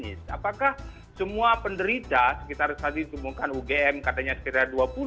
jadi saya ingin tahu semua penderita sekitar ugm katanya sekitar dua puluh